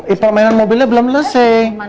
eh pokoknya mobilnya belum lese